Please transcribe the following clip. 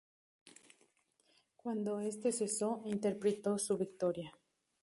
Cuando este cesó, interpretó su victoria.